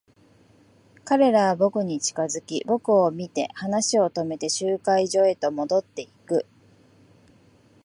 彼らは僕に気づき、僕を見て話を止めて、集会所へと戻っていく。